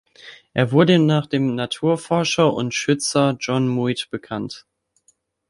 Er wurde nach dem Naturforscher und -schützer John Muir benannt.